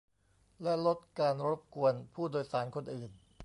และลดการรบกวนผู้โดยสารคนอื่น